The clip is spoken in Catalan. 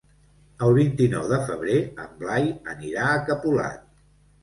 El vint-i-nou de febrer en Blai anirà a Capolat.